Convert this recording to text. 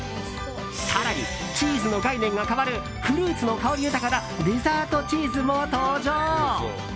更に、チーズの概念が変わるフルーツの香り豊かなデザートチーズも登場。